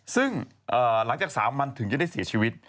ซึ่งหลังจาก๓วันถึงจะได้เสียชีวิต